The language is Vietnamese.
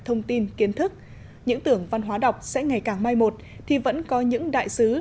thông tin kiến thức những tưởng văn hóa đọc sẽ ngày càng mai một thì vẫn có những đại sứ